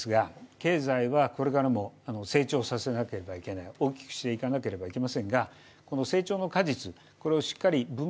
経済ですが経済はこれからもあの成長させなければいけない大きくしていかなければいけませんがこの成長の果実